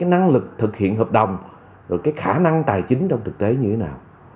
năng lực thực hiện hợp đồng khả năng tài chính trong thực tế như thế nào